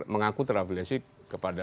mengaku terafiliasi kepada